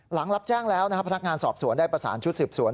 หลังรับแจ้งแล้วนะครับพนักงานสอบสวนได้ประสานชุดสืบสวน